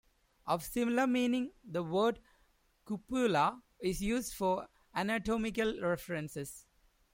Of similar meaning the word cupula is used for anatomical references.